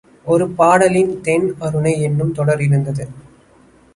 ஒரு பாடலில் தென் அருணை என்னும் தொடர் இருந்தது.